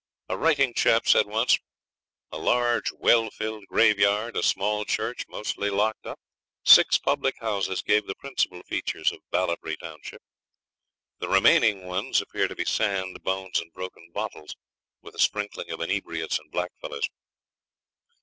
A writing chap said once, 'A large well filled graveyard, a small church mostly locked up, six public houses, gave the principal features of Ballabri township. The remaining ones appear to be sand, bones, and broken bottles, with a sprinkling of inebriates and blackfellows.'